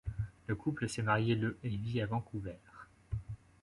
Le couple s'est marié le et vit à Vancouver.